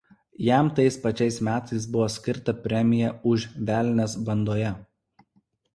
Jam tais pačiais metais buvo skirta premija už „Velnias bandoje“.